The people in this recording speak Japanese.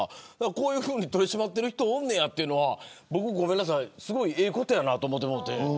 こういうふうに取り締まってる人がおるんやというのはええことやなと思ってもうて。